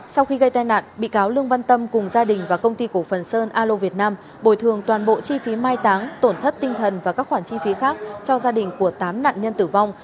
sau khi gây tai nạn bị cáo lương văn tâm cùng gia đình và công ty cổ phần sơn a lô việt nam bồi thường toàn bộ chi phí mai táng tổn thất tinh thần và các khoản chi phí khác cho gia đình của tám nạn nhân tử vong